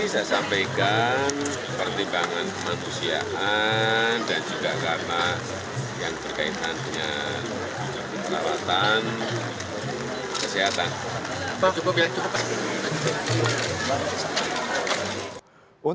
saya sampaikan pertimbangan kemanusiaan dan juga karena yang terkaitannya penawatan kesehatan